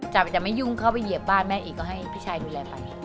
จะไม่ยุ่งเข้าไปเหยียบบ้านแม่อีกก็ให้พี่ชายดูแลไป